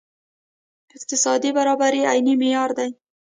اقتصادي برابري عیني معیار دی.